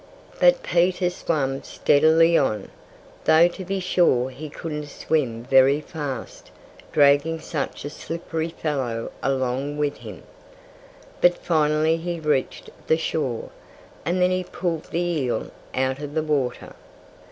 But Peter swam steadily on, though to be sure he couldn't swim very fast, dragging such a slippery fellow along with him. But finally he reached the shore. And then he pulled the eel out of the water.